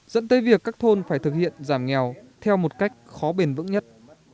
dẫn tới việc các thôn phải thực hiện giảm nghèo theo một cách khó bền vững nhất